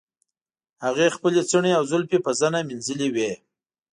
هغې خپلې څڼې او زلفې په زنه مینځلې وې.